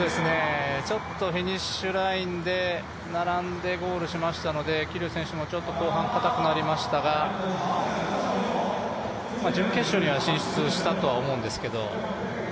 ちょっとフィニッシュラインで並んでゴールしましたので桐生選手も後半かたくなりましたが準決勝には進出したとは思うんですけど。